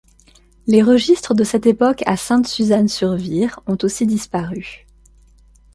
Les registres de cette époque à Sainte-Suzanne-sur-Vire ont aussi disparu.